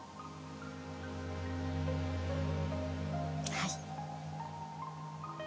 はい。